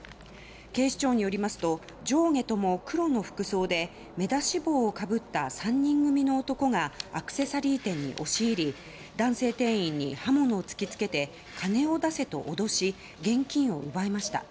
警視庁によりますと上下とも黒の服装で目出し帽をかぶった３人組の男がアクセサリー店に押し入り男性店員に刃物を突き付けて金を出せと脅し現金を奪いました。